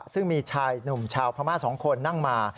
ซึ่งมีชายหนุ่มชาวพม่า๒คนนั่งมา